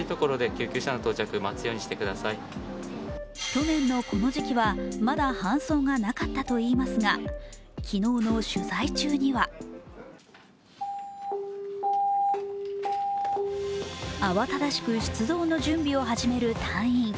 去年のこの時期は、まだ搬送がなかったといいますが昨日の取材中には慌ただしく出動の準備を始める隊員。